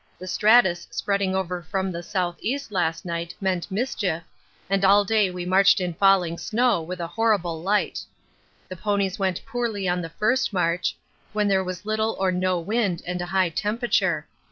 The stratus spreading over from the S.E. last night meant mischief, and all day we marched in falling snow with a horrible light. The ponies went poorly on the first march, when there was little or no wind and a high temperature.